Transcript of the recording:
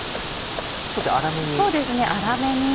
少し粗めに？